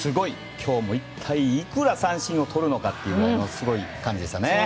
今日も一体、いくつ三振をとるのかというものすごい感じでしたね。